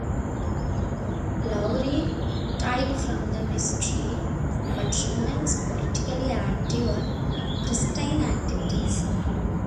Lowery retired from the ministry, but remains politically active and in Christian activities.